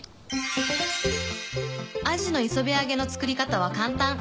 アジの磯辺揚げの作り方は簡単。